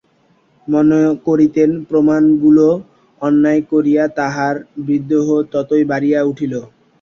মনে করিতেন, প্রমাণগুলোও অন্যায় করিয়া তাঁহার বিদ্বেষ ততই বাড়িয়া উঠিত।